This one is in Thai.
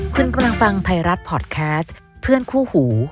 คุณกำลังฟังไทยรัฐพอร์ตแคสต์เพื่อนคู่หู